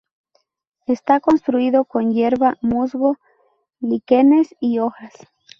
Está construido con hierba, musgo, líquenes y hojas.